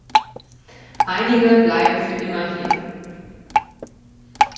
Einige blieben für immer hier.